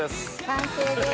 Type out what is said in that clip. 完成です！